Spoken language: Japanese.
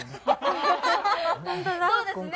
そうですね